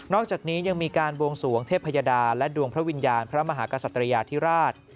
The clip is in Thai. อกจากนี้ยังมีการบวงสวงเทพยดาและดวงพระวิญญาณพระมหากษัตริยาธิราช